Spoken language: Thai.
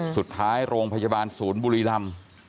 สุดท้ายโรงพยาบาลศูนย์บุรีรำ